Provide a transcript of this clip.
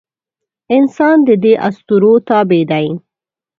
انسان د دې اسطورو تابع دی.